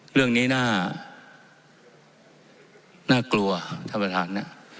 เรื่องนี้น่ากลัวท่านประธานนะ